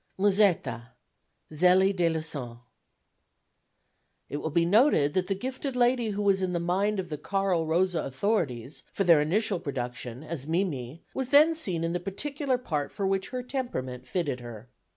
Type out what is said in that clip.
Musetta ZELIE DE LUSSAN. It will be noticed that the gifted lady who was in the mind of the Carl Rosa authorities, for their initial production, as Mimi, was then seen in the particular part for which her temperament fitted her.